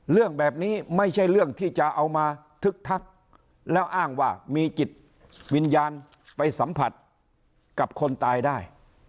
เรื่องแบบนี้ไม่ใช่เรื่องที่จะเอามาทึกทักแล้วอ้างว่ามีจิตวิญญาณไปสัมผัสกับคนตายได้